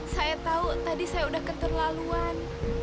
saya tahu tadi saya sudah keterlaluan